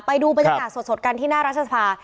ไปดูบรรยากาศสดกันที่หน้ารัฐสภา